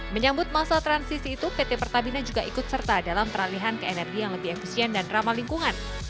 menyambut masa transisi itu pt pertamina juga ikut serta dalam peralihan ke energi yang lebih efisien dan ramah lingkungan